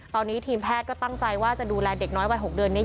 ตอนนี้ทีมแพทย์ก็ตั้งใจว่าจะดูแลเด็กน้อยวัย๖เดือนนี้